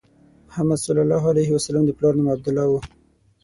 محمد صلی الله علیه وسلم د پلار نوم عبدالله و.